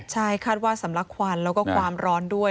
ใช่คาดว่าสำลักควันแล้วก็ความร้อนด้วย